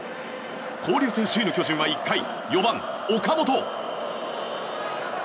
交流戦首位の巨人は１回４番、岡本。